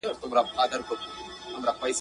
o د زمري غار بې هډوکو نه وي.